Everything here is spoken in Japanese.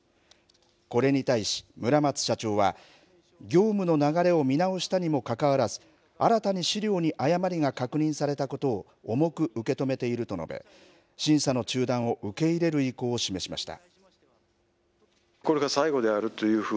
これに対し、村松社長は業務の流れを見直したにもかかわらず、新たに資料に誤りが確認されたことを、重く受け止めていると述べ、審査の中断を受け入れる意向を示しました。